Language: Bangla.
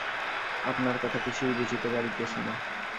আপনার কথা কিছুই বুঝতে পারছি না।